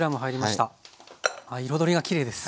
彩りがきれいです。